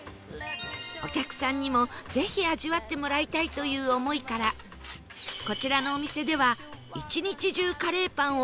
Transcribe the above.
お客さんにもぜひ味わってもらいたいという思いからこちらのお店では１日中カレーパンを揚げ続け